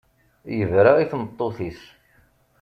Yebra i tmeṭṭut-is.